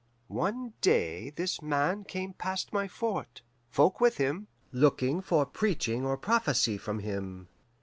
One day this Man came past my fort, folk with him, looking for preaching or prophesy from him.